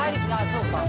そうか。